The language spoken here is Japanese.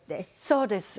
そうです。